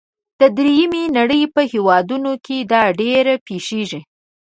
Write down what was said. د دریمې نړۍ په هیوادونو کې دا ډیر پیښیږي.